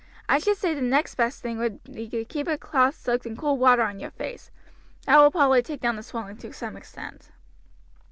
I should say the next best thing would be to keep a cloth soaked in cold water on your face; that will probably take down the swelling to some extent."